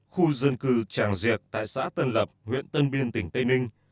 khu dân cư tràng diệc tại xã tân lập huyện tân biên tỉnh tây ninh